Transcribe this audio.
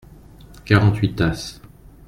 Quarante-huit tasses.